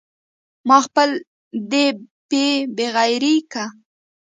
خپل مال دې پې بغرۍ که.